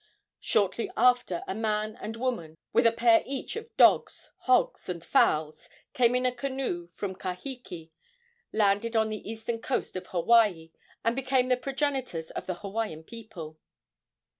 Shortly after a man and woman, with a pair each of dogs, hogs and fowls, came in a canoe from Kahiki, landed on the eastern coast of Hawaii, and became the progenitors of the Hawaiian people.